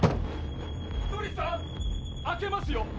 開けますよ？